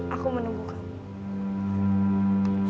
aku menunggu kamu